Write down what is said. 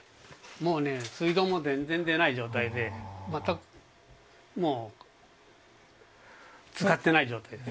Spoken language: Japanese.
水道も全然出ない状態でもう使ってない状態。